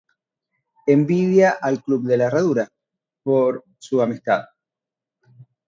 Envidia a El Club de la Herradura por su amistad.